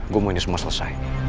gue mau ini semua selesai